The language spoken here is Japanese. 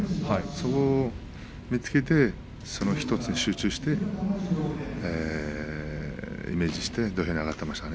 それを見つけて１つに集中してイメージして土俵に上がっていました。